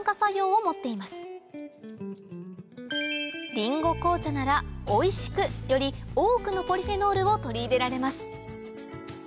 リンゴ紅茶ならおいしくより多くのポリフェノールを取り入れられます